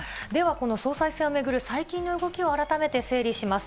この総裁選を巡る最近の動きを改めて整理します。